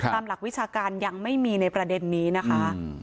หลักวิชาการยังไม่มีในประเด็นนี้นะคะ